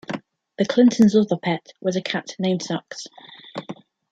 The Clintons' other pet was a cat named Socks.